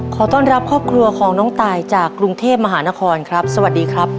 ขอต้อนรับครอบครัวของน้องตายจากกรุงเทพมหานครครับสวัสดีครับ